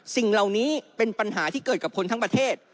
สิ่งเหล่านี้เป็นปัญหาที่เกิดกับคนทั้งประเทศ